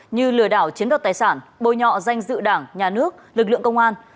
như lừa đảo chiếm đoạt tài sản bôi nhọ danh dự đảng nhà nước lực lượng công an